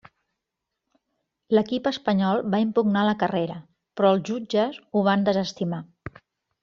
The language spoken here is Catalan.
L'equip espanyol va impugnar la carrera, però els jutges ho van desestimar.